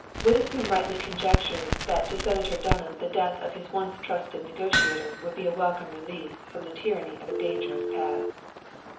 Witherspoon rightly conjectured that to Senator Dunham the death of his once trusted negotiator would be a welcome release from the tyranny of a dangerous past.